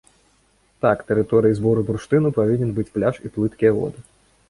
Так, тэрыторыяй збору бурштыну павінен быць пляж і плыткія воды.